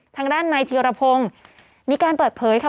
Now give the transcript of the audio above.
ทางด้านนายธีรพงศ์มีการเปิดเผยค่ะ